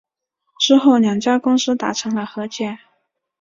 之后两家公司达成了和解。